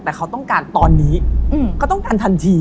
แต่เขาต้องการตอนนี้เขาต้องการทันที